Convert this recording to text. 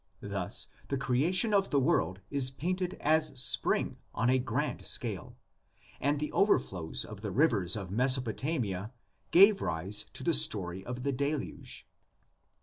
Thus the creation of the world is painted as Spring on a grand scale, and the overflows of the rivers of Mesopotamia gave rise to the story of the Deluge.